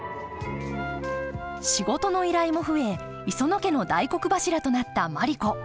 仕事の依頼も増え磯野家の大黒柱となったマリ子。